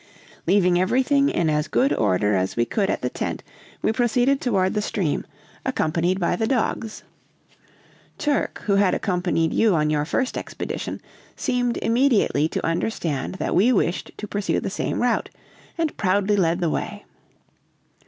"Leaving everything in as good order as we could at the tent, we proceeded toward the stream, accompanied by the dogs. Turk, who had accompanied you on your first expedition, seemed immediately to understand that we wished to pursue the same route, and proudly led the way.